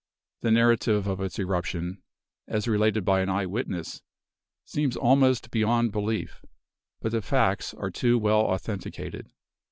The narrative of its eruption, as related by an eye witness, seems almost beyond belief; but the facts are too well authenticated.